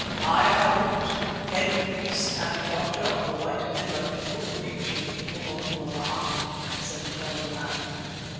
"I, Harût, head priest and doctor of the White Kendah People, greet you, O Macumazana," said the elder man.